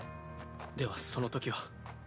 ではそのときは。